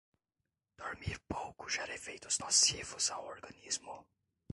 Dormir pouco gera efeitos nocivos ao organismo